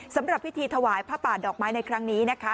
สำหรับพิธีถวายผ้าป่าดอกไม้ในครั้งนี้นะคะ